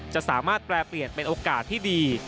จะสามารถแปรเปลี่ยนเป็นโอกาสที่ดี